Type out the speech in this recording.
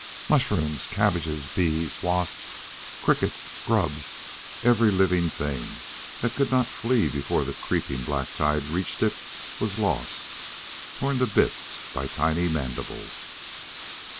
Mushrooms, cabbages, bees, wasps, crickets, grubs every living thing that could not flee before the creeping black tide reached it was lost, torn to bits by tiny mandibles.